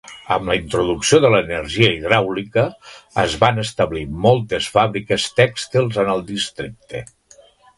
Amb la introducció de l'energia hidràulica, es van establir moltes fàbriques tèxtils en el districte.